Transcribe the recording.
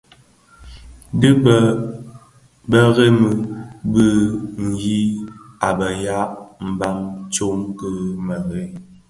Dhi bo Bè dhemremi bi ňyinim a be ya mbam tsom ki merad ki.